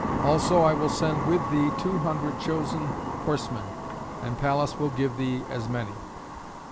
Also I will send with thee two hundred chosen horsemen, and Pallas will give thee as many."